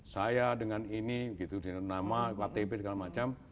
saya dengan ini gitu dengan nama ktp segala macam